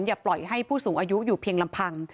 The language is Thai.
อย่าปล่อยให้ผู้สูงอายุอยู่เพียงลำพัง